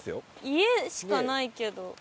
家しかないけど。